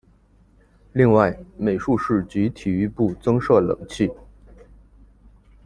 另外美术室及体育部增设冷气。